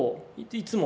いつも。